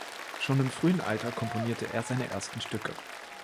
Schon im frühen Alter komponierte er seine ersten Stücke.